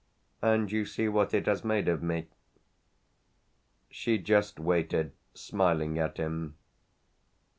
And you see what it has made of me." She just waited, smiling at him.